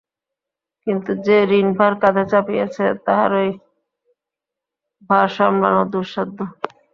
কিন্তু যে ঋণভার কাঁধে চাপিয়াছে, তাহারই ভার সামলানো দুঃসাধ্য।